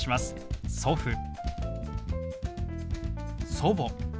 「祖母」。